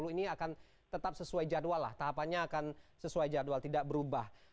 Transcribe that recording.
sepuluh ini akan tetap sesuai jadwal lah tahapannya akan sesuai jadwal tidak berubah